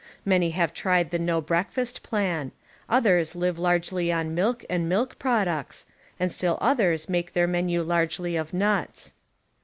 Many have tried the no breakfast plan; others live largely on milk and milk products, and still others make their menu largely of nuts.